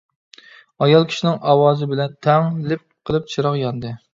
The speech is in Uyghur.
ئايال كىشىنىڭ ئاۋازى بىلەن تەڭ لىپ قىلىپ چىراغ ياندى.